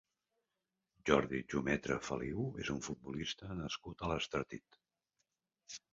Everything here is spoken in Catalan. Jordi Xumetra Feliu és un futbolista nascut a l'Estartit.